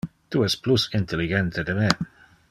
Tu es plus intelligente de me.